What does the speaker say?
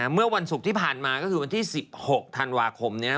เมื่อวันศุกร์ที่ผ่านมาก็คือวันที่๑๖ธันวาคมนี้